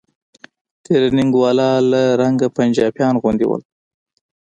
ټرېننگ والا له رنګه پنجابيانو غوندې و.